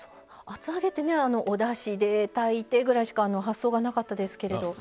厚揚げってねおだしで炊いてぐらいしか発想がなかったですけれど。